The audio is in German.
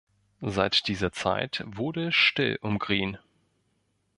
Seit dieser Zeit wurde es still um Green.